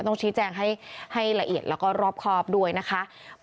ต้องชี้แจงให้ละเอียดแล้วก็รอบครอบด้วยนะคะ